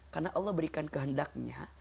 karena allah berikan kehendaknya